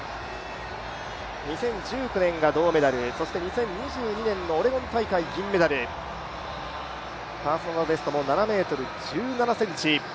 ２０１９年が銅メダル、２０２２年のオレゴン大会銀メダル、パーソナルベストも７ｍ１７ｃｍ。